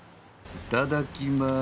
いただきまーす。